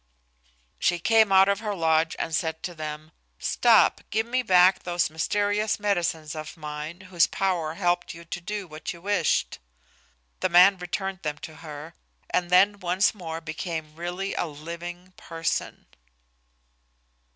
She came out of her lodge and said to them, "Stop; give me back those mysterious medicines of mine, whose power helped you to do what you wished." The man returned them to her, and then once more became really a living person.